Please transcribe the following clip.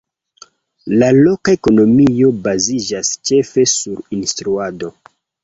La loka ekonomio baziĝas ĉefe sur instruado.